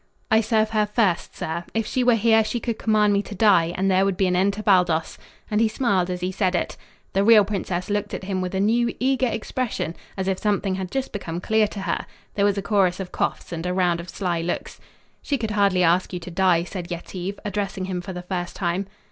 "I serve her first, sir. If she were here she could command me to die, and there would be an end to Baldos," and he smiled as he said it. The real princess looked at him with a new, eager expression, as if something had just become clear to her. There was a chorus of coughs and a round of sly looks. "She could hardly ask you to die," said Yetive, addressing him for the first time.